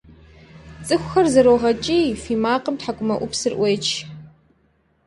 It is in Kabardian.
Цӏыхухэр зэрогъэкӏий, фий макъым тхьэкӏумэӏупсыр ӏуеч.